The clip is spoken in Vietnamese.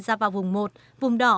ra vào vùng một vùng đỏ